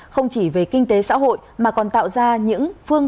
không chỉ về kinh tế xã hội mà còn tạo ra những phương